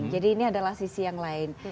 jadi ini adalah sisi yang lain